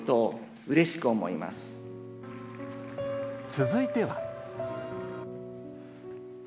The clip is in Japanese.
続いては。